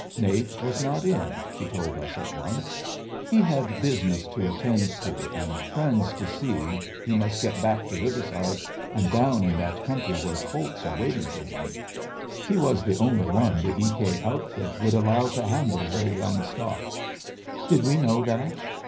Nate was not in, she told us at once. He had business to attend to and friends to see he must get back to Riverside and down in that country where colts were waiting for him. He was the only one the E. K. outfit would allow to handle their young stock. Did we know that?